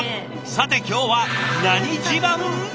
さて今日は何自慢？